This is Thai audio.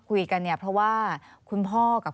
คุยกันเพราะว่าคุณพ่อกับ